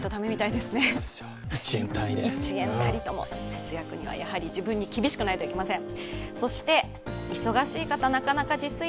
節約にはやはり自分に厳しくないといけません。